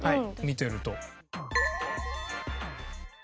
見てると。